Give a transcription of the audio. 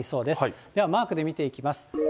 ではマークで見ていきます。